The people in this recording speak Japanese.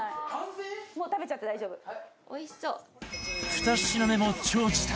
２品目も超時短！